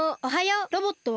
ロボットは？